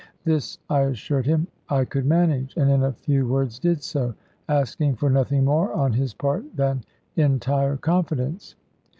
This I assured him I could manage; and in a few words did so; asking for nothing more on his part than entire confidence.